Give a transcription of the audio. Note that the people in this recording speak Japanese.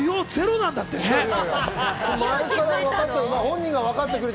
前からわかってた。